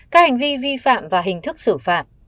các hành vi vi phạm và hình thức xử phạt